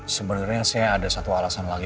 sebenarnya saya ada satu alasan lagi